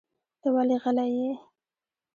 ته ولې غلی یې؟